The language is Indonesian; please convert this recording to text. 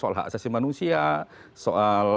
soal hak asasi manusia soal